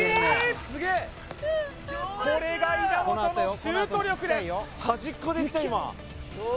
すげえこれが稲本のシュート力です